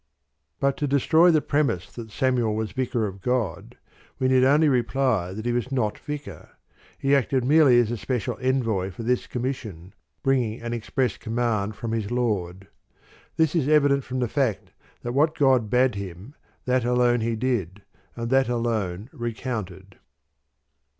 2. But to destroy the premise that Samuel was Vicar of God, we need only reply that he was not Vicar ; he acted merely as a special envoy for this commission, or as a messenger bringing an express command from his Lord. This is evident from the fact that what God bade him, that alone he did and that alone recounted.